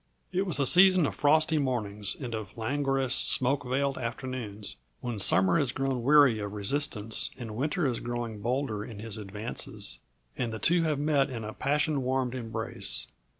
It was the season of frosty mornings and of languorous, smoke veiled afternoons, when summer has grown weary of resistance and winter is growing bolder in his advances, and the two have met in a passion warmed embrace.